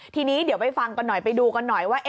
ทีนี้เดี๋ยวไปฟังกันหน่อยไปดูกันหน่อยว่า